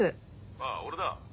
☎あっ俺だ。